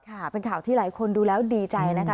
ค่ะเป็นข่าวที่หลายคนดูแล้วดีใจนะคะ